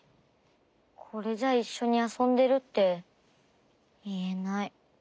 これじゃいっしょにあそんでるっていえない。